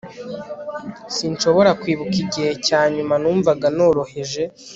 sinshobora kwibuka igihe cyanyuma numvaga noroheje